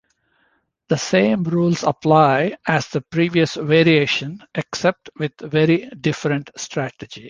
The same rules apply as the previous variation except with very different strategy.